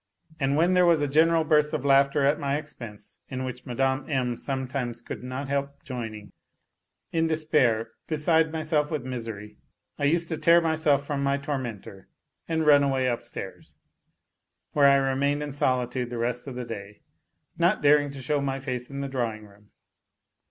And when there was a general burst of laughter at my expense, in which Mme. M. sometimes could not help joining, in despair, beside myself with misery, I used to tear myself from my tormentor and run away upstairs, where I remained in solitude the rest of the day, not daring to show my face in the drawing room.